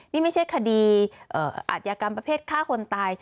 นี่ไม่ใช่คดีอาจยากรรมประเภทฆ่าคนตาย